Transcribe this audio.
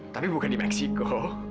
tapi bukan di meksiko